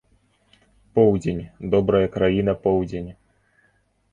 Поўдзень, добрая краіна поўдзень!